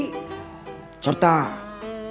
serta berpengalaman di indonesia